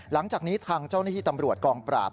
หลังจากนี้ทางเจ้าหน้าที่ตำรวจกองปราบ